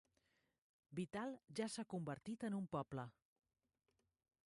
Vittal ja s'ha convertit en un poble.